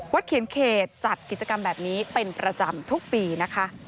เขียนเขตจัดกิจกรรมแบบนี้เป็นประจำทุกปีนะคะ